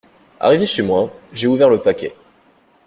Arrivé chez moi, j’ai ouvert le paquet.